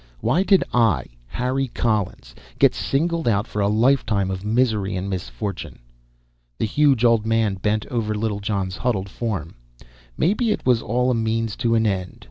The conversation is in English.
Why did I, Harry Collins, get singled out for a lifetime of misery and misfortune?" The huge old man bent over Littlejohn's huddled form. "Maybe it was all a means to an end.